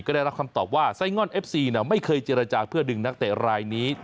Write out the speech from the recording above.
ก็ได้รับคำตอบว่าไซง่อนเอฟซีไม่เคยเจรจาเพื่อดึงนักเตะรายนี้